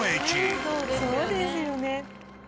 羽田：そうですよね。